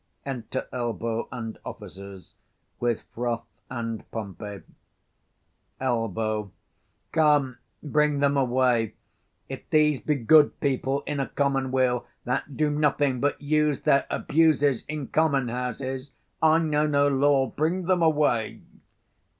40 Enter ELBOW, and Officers with FROTH and POMPEY. Elb. Come, bring them away: if these be good people in a commonweal that do nothing but use their abuses in common houses, I know no law: bring them away.